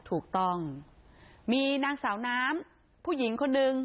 ถูกต้องมีนางสาวน้ำผู้หญิงคนนึง